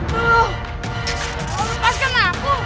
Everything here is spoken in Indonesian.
mau lepaskan aku